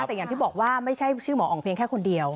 แต่อย่างที่บอกว่าไม่ใช่ชื่อหมออ๋องเพียงแค่คนเดียว